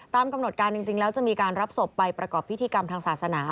ตามกำหนดการจริงแล้วจะมีการรับศพไปประกอบพิธีกรรมทางศาสนา